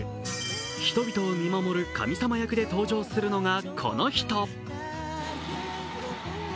人々を見守る神様役で登場するのが、この人。